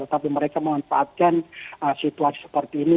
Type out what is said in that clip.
tetapi mereka mengunfaatkan situasi seperti ini